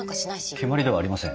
蹴まりではありません。